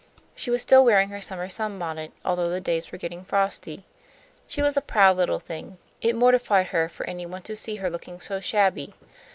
She was still wearing her summer sunbonnet, although the days were getting frosty. She was a proud little thing. It mortified her for any one to see her looking so shabby.